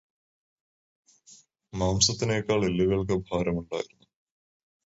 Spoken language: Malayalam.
മാംസത്തിനേക്കാൾ എല്ലുകൾക്ക് ഭാരമുണ്ടായിരുന്നു.